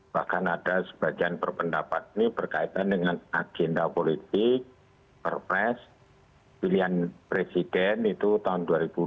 bahkan ada sebagian berpendapat ini berkaitan dengan agenda politik perpres pilihan presiden itu tahun dua ribu dua puluh